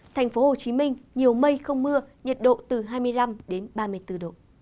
thành phố hồ chí minh nhiều mây không mưa nhiệt độ từ hai mươi năm đến ba mươi bốn độ